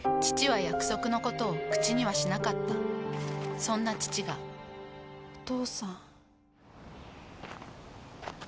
父は約束のことを口にはしなかったそんな父がお父さん。